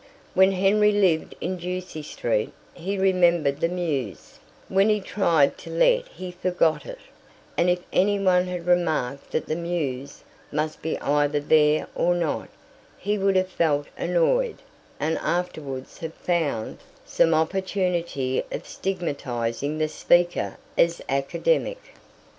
When Henry lived in Ducie Street he remembered the mews; when he tried to let he forgot it; and if anyone had remarked that the mews must be either there or not, he would have felt annoyed, and afterwards have found some opportunity of stigmatizing the speaker as academic.